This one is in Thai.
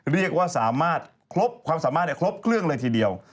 เรียกว่าความสามารถคลบเครื่องเลยทีเดียว